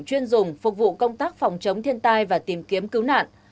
chuyên dùng phục vụ công tác phòng chống thiên tai và tìm kiếm cứu nạn